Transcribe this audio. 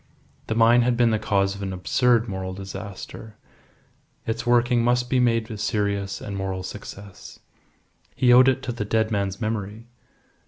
The mine had been the cause of an absurd moral disaster; its working must be made a serious and moral success. He owed it to the dead man's memory.